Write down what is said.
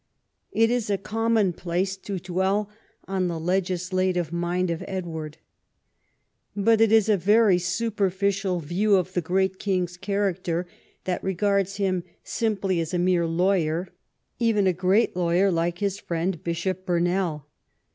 It is a common place to dwell on the legislative mind of Edward. But it is a very superficial view of the great king's character that regards him simply as a mere lawyer, even a great lawyer like his friend Bishop Burnell.